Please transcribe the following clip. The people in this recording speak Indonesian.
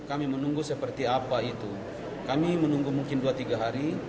apakah itu kontinu tiap hari